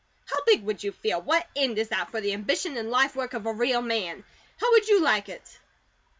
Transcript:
How big would you feel? What end is that for the ambition and life work of a real man? How would you like it?"